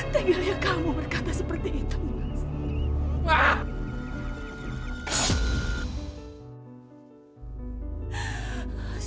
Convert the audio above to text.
tinggal ya kamu berkata seperti itu mas